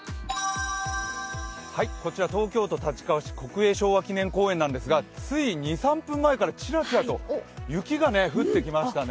こちら東京都立川市国営昭和記念公園なんですがつい２３分前からチラチラと雪が降ってきましたね。